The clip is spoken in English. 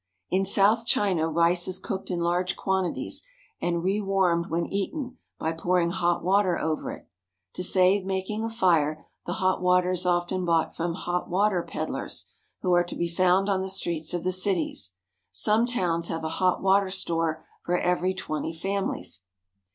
In south China rice is cooked in large quantities, and re warmed when eaten by pouring hot water over it. To save making a fire, the hot water is often bought from hot water peddlers, who are to be found on the streets of the cities. Some towns have a hot water store for every twenty families.